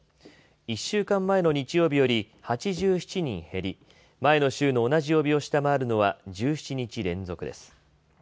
１週間前の日曜日より８７人減り前の週の同じ曜日を下回るのは１７日連続です。